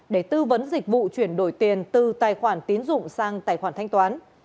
để tư vấn dịch vụ chuyển đổi tiền từ tài khoản tín dụng sang tài khoản thanh toán